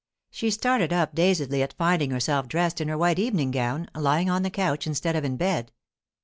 She started up dazedly at finding herself dressed in her white evening gown, lying on the couch instead of in bed.